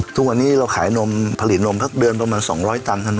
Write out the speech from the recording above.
ทุกวันนี้เราขายนมผลิตนมเพราะเดินประมาณ๒๐๐ตันครับนั่นนี่